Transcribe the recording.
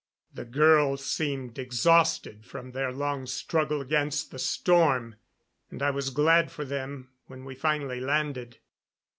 The girls seemed exhausted from their long struggle against the storm, and I was glad for them when we finally landed.